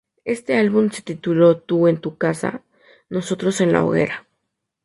Este álbum se tituló Tú en tu casa, nosotros en la hoguera.